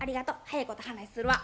早いこと話するわ。